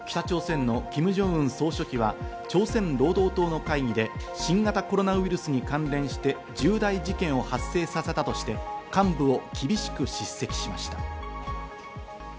北朝鮮のキム・ジョンウン総書記は朝鮮労働党の会議で新型コロナウイルスに関連して、重大事件を発生させたとして幹部を厳しく叱責しました。